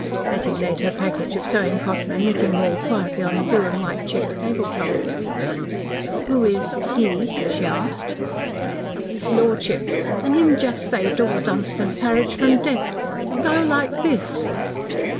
Betty laid her package of sewing cotton and knitting wool quietly on the blue and white checked tablecloth. "Who is he?" she asked. "His lordship and him just saved all Dunstan parish from death to go like this!"